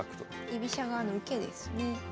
居飛車側の受けですね。